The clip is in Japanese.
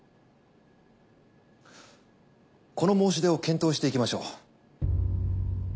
この申し出を検討していきましょう。